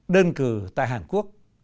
đơn cử tại hàn quốc